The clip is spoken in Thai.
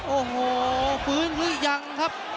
โอ้โหฟื้นหรือยังครับ